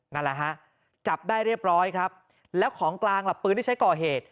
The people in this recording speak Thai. นั่นแหละฮะจับได้เรียบร้อยครับแล้วของกลางล่ะปืนที่ใช้ก่อเหตุ